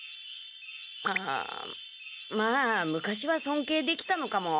ああまあ昔はそんけいできたのかも。